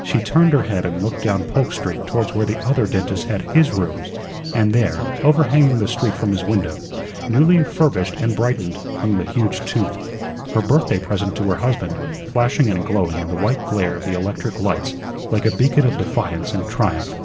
She turned her head and looked down Polk Street towards where the Other Dentist had his rooms, and there, overhanging the street from his window, newly furbished and brightened, hung the huge tooth, her birthday present to her husband, flashing and glowing in the white glare of the electric lights like a beacon of defiance and triumph.